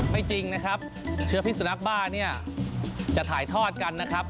จริงนะครับเชื้อพิสุนักบ้าเนี่ยจะถ่ายทอดกันนะครับ